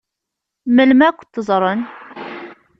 Melmi ad kent-ẓṛen?